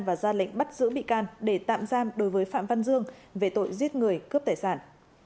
và ra lệnh bắt giữ bị can để tạm giam đối với phạm văn dương về tội giết người cướp tài sản